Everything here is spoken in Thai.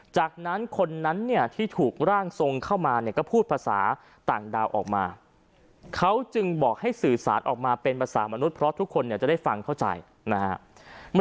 จากนั้นคนนั้นเนี่ยที่ถูกร่างทรงเข้ามาเนี่ยก็พูดภาษาต่างดาวออกมาเขาจึงบอกให้สื่อสารออกมาเป็นภาษามนุษย์เพราะทุกคนเนี่ยจะได้ฟังเข้าใจนะครับ